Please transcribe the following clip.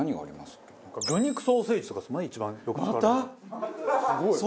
すごい。